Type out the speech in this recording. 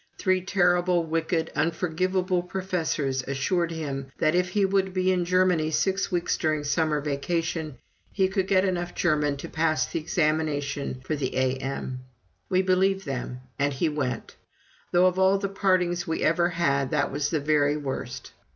Three terrible, wicked, unforgivable professors assured him that, if he could be in Germany six weeks during summer vacation, he could get enough German to pass the examination for the A.M. We believed them, and he went; though of all the partings we ever had, that was the very worst.